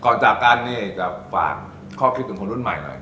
จากกันนี่จะฝากข้อคิดถึงคนรุ่นใหม่หน่อย